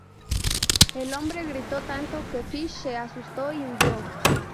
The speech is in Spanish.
El hombre gritó tanto que Fish se asustó y huyó.